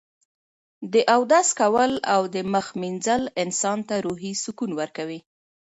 د اودس کول او د مخ مینځل انسان ته روحي سکون ورکوي.